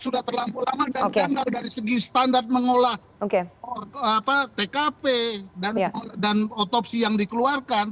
sudah terlampau lama dan tinggal dari segi standar mengolah tkp dan otopsi yang dikeluarkan